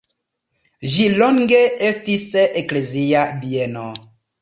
Ĝi longe estis eklezia bieno.